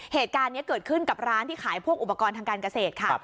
เหตุการณ์นี้เกิดขึ้นกับร้านที่ขายพวกอุปกรณ์ทางการเกษตรค่ะ